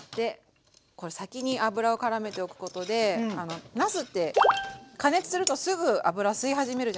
これ先に油をからめておくことでなすって加熱するとすぐ油吸い始めるじゃないですか。